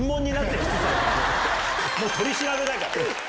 もう取り調べだから。